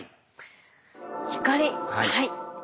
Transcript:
はい。